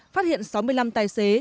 phát hiện sáu mươi năm tài xế